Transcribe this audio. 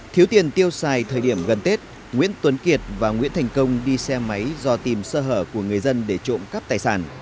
thiếu tiền tiêu xài thời điểm gần tết nguyễn tuấn kiệt và nguyễn thành công đi xe máy do tìm sơ hở của người dân để trộm cắp tài sản